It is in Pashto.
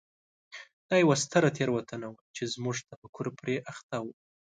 دا یوه ستره تېروتنه وه چې زموږ تفکر پرې اخته و.